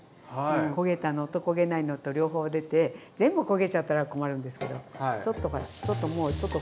焦げたのと焦げないのと両方出て全部焦げちゃったら困るんですけどちょっとほらちょっと